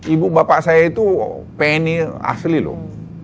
ibu bapak saya itu pni asli loh